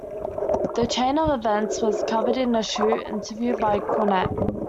The chain of events was covered in a "shoot" interview by Cornette.